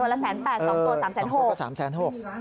อันละ๑๘๐๐๐๐บาท๒ตัว๓๖๐๐๐๐บาท